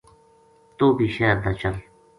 توہ بھی شہر تا چل